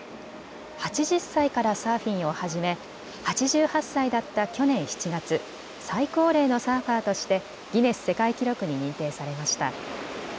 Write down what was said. ８０歳からサーフィンを始め８８歳だった去年７月、最高齢のサーファーとしてギネス世界記録に認定されました。